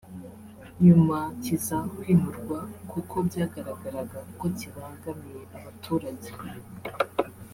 nyuma kiza kwimurwa kuko byagaragaraga ko kibangamiye abaturage